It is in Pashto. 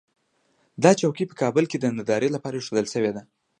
دا چوکۍ په کابل کې د نندارې لپاره اېښودل شوې ده.